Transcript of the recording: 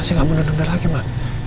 saya gak mau nunda nunda lagi ma